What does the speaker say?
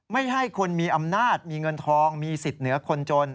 ไม่ให้คนมีอำนาจมีเงินทองมีสิทธิ์เหนือคนจน